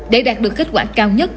để đạt được kết quả cao nhất